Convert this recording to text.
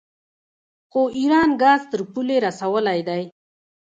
خو ایران ګاز تر پولې رسولی دی.